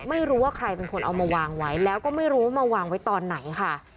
ไม่รู้ว่าใครเป็นคนเอามาวางไว้แล้วก็ไม่รู้ว่ามาวางไว้ตอนไหนค่ะ